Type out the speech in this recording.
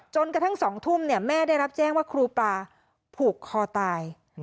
จนกระทั่ง๒ทุ่มแม่ได้รับแจ้งว่าครูปลาผูกคอตาย